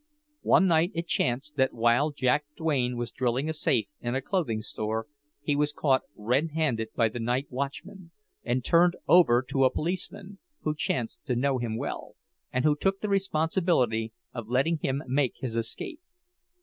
One night it chanced that while Jack Duane was drilling a safe in a clothing store he was caught red handed by the night watchman, and turned over to a policeman, who chanced to know him well, and who took the responsibility of letting him make his escape.